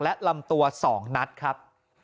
และลำตัว๒นัดครับ